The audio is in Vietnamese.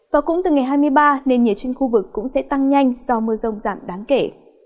và cũng từ ngày hai mươi ba nền nhiệt trên khu vực cũng sẽ tăng nhanh do mưa rông giảm đáng kể